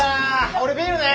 俺ビールね！